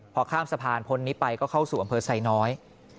พอข้ามสะพานพ้นนี้ไปก็เข้าสู่อำเภอไซน้อย